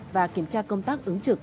và kiểm tra công tác ứng trực